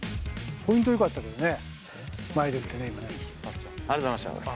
ポイントよかったけどね、ありがとうございました。